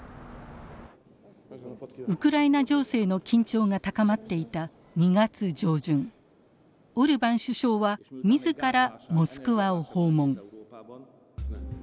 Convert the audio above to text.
ウクライナ情勢の緊張が高まっていた２月上旬オルバン首相は自らモスクワを訪問。